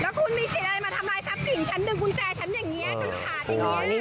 แล้วคุณมีสิ่งอะไรมาทำลายซับสิ่งฉันดึงกุญแจฉันอย่างเงี้ยจนขาดอย่างเงี้ย